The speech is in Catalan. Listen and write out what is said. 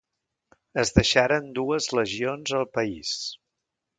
Es deixaren dues legions al país.